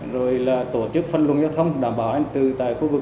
rồi là tổ chức phân luận giao thông đảm bảo anh tư tại khu vực